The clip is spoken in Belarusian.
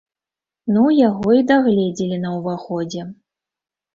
Ну, яго і дагледзелі на ўваходзе.